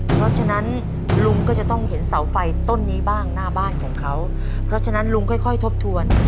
เพราะฉะนั้นลุงก็จะต้องเห็นเสาไฟต้นนี้บ้างหน้าบ้านของเขาเพราะฉะนั้นลุงค่อยค่อยทบทวน